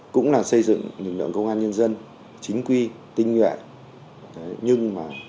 cũng là xây dựng lực lượng công an nhân dân chính quy tinh nguyện